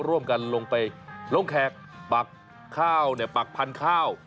ร่วมกันลงไปลงแขกปักข้าวเนี่ยปักพันข้าว